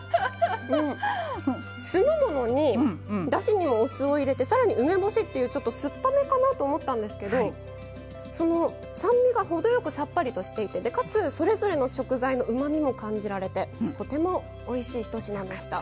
酢の物にだしにもお酢を入れてさらに梅干しっていうちょっと酸っぱめかなと思ったんですけどその酸味が程よくさっぱりとしていてかつそれぞれの食材のうまみも感じられてとてもおいしい１品でした。